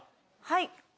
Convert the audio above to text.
はい。